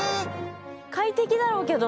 快適だろうけど。